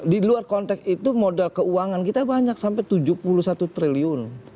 di luar konteks itu modal keuangan kita banyak sampai tujuh puluh satu triliun